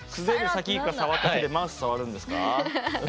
さきいか触った手でマウス触るんですか？